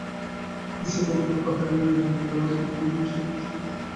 বিদেশে প্রদত্ত তাঁহার ইংরেজী বক্তৃতাবলীর কিছু কিছু সেই দেশেই পুস্তকাকারে বাহির হয়।